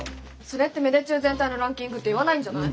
それって芽出中全体のランキングっていわないんじゃない？